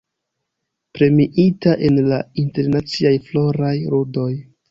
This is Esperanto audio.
Premiita en la Internaciaj Floraj Ludoj.